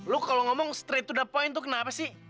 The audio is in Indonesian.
lu kalau ngomong straight to the point tuh kenapa sih